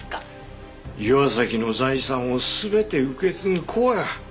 岩崎の財産を全て受け継ぐ子や。